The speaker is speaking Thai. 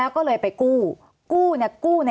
สวัสดีครับทุกคน